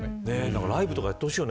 ライブとかやってほしいよね